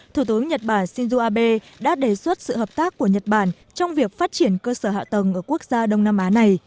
thủ tướng nhật bản shinzo abe đã đề xuất sự hợp tác của nhật bản trong việc phát triển cơ sở hạ tầng ở quốc gia đông nam á này